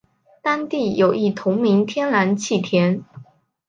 当地有一同名天然气田。